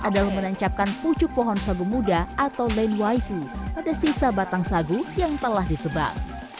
adalah menancapkan pucuk pohon sagu muda atau lane wifi pada sisa batang sagu yang telah ditebang